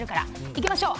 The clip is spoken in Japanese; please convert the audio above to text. いきましょう。